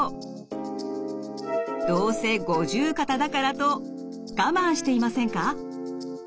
どうせ五十肩だからと我慢していませんか？